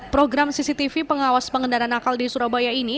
program cctv pengawas pengendara nakal di surabaya ini